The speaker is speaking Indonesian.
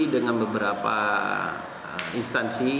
dengan beberapa instansi